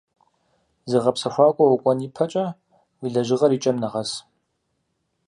Зыгъэпсэхуакӏуэ укӏуэн и пэкӏэ, уи лэжьыгъэр и кӏэм нэгъэс.